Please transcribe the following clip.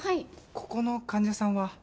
ここの患者さんは。